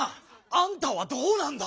あんたはどうなんだ？